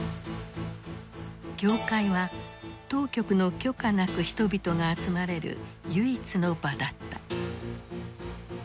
教会は当局の許可なく人々が集まれる唯一の場だった。